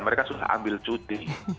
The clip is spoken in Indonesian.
mereka sudah ambil cuti